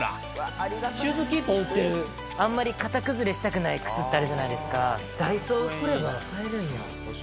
あんまり型崩れしたくない靴ってあるじゃないですか。